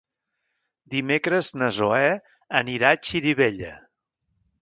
Dimecres na Zoè anirà a Xirivella.